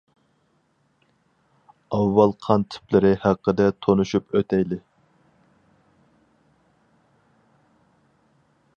ئاۋۋال قان تىپلىرى ھەققىدە تونۇشۇپ ئۆتەيلى.